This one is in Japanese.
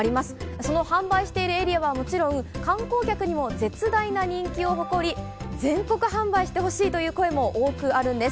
その販売しているエリアはもちろん、観光客にも絶大な人気を誇り全国販売してほしいという声も多くあるんです。